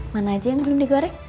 mana aja yang belum digoreng